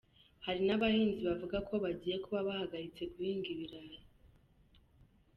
Hari n’abahinzi bavuga ko bagiye kuba bahagaritse guhinga ibirayi.